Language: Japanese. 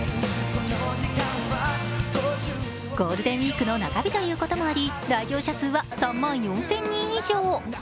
ゴールデンウイークの中日ということもあり来場者数は３万４０００人以上。